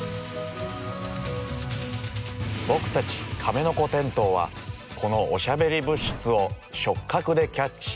僕たちカメノコテントウはこのおしゃべり物質を触角でキャッチ！